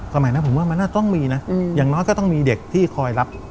สมัยนั้นผมว่ามันน่าต้องมีนะอย่างน้อยก็ต้องมีเด็กที่คอยรับ